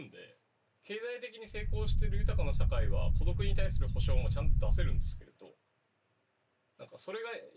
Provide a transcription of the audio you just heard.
経済的に成功してる豊かな社会は「孤独」に対する補償もちゃんと出せるんですけれど。